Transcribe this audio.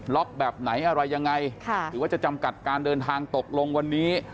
แบบไหนอะไรยังไงหรือว่าจะจำกัดการเดินทางตกลงวันนี้